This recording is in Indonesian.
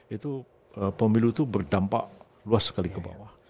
itu pemilu itu berdampak luas sekali ke bawah